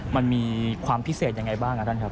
มันมีความพิเศษยังไงบ้างครับท่านครับ